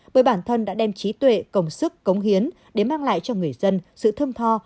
bởi bản thân đã đem trí tuệ công sức cống hiến để mang lại cho người dân sự thơm tho